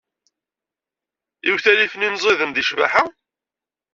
Iwtal ifen inẓiden deg ccbaḥa?